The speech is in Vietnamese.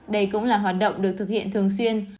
đây cũng là hoạt động được thực hiện thường xuyên